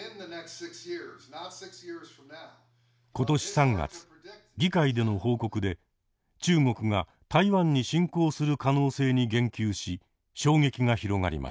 今年３月議会での報告で中国が台湾に侵攻する可能性に言及し衝撃が広がりました。